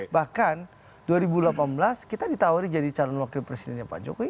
bahkan dua ribu delapan belas kita ditawari jadi calon wakil presidennya pak jokowi